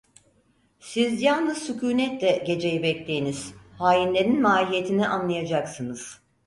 Siz yalnız sükunetle geceyi bekleyiniz, hainlerin mahiyetini anlayacaksınız.